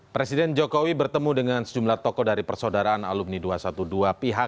presiden jokowi bertemu dengan sejumlah tokoh dari persaudaraan alumni dua ratus dua belas pihak